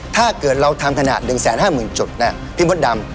ถ้าเกิดเราทำขนาด๑๕๐๐๐จุดนะพี่มดดำ